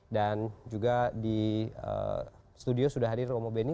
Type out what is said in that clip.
dan juga di studio sudah hadir romo beni